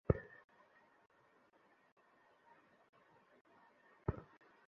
পরে তাঁরা শামীমের বাড়িতে এসে রিমাকে অচেতন অবস্থায় পড়ে থাকতে দেখেন।